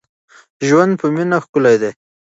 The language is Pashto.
ژوند په مینه ښکلی دی.